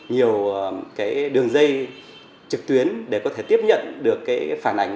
nhiều đường dây trực tuyến để có thể tiếp nhận được phản ảnh